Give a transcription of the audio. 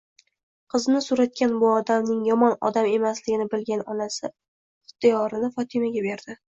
Qizini so'ratgan bu odamning yomon odam emasligini bilgan otasi ixtiyorni Fotimaga berdi.